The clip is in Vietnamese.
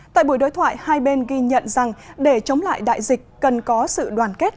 tại buổi đối thoại hai bên ghi nhận rằng để chống lại đại dịch cần có sự đoàn kết